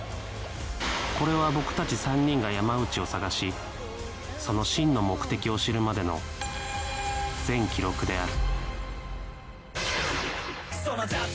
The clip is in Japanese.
これは僕たち３人が山内を探しその真の目的を知るまでの全記録である